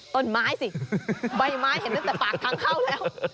ต้นไม้สิใบไม้เห็นตั้งแต่ปากทางเข้าแล้ว